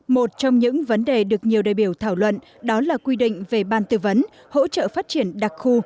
một trong những vấn đề được nhiều đại biểu thảo luận đó là quy định về ban tư vấn hỗ trợ phát triển đặc khu